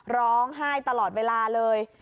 ร้องไห้ตลอดเวลาเลย